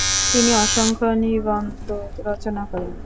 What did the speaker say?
তিনি অসংখ্য নিবন্ধ রচনা করেন।